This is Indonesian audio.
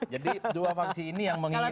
jadi dua faksi ini yang menginginkan